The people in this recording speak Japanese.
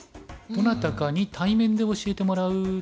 どなたかに対面で教えてもらう。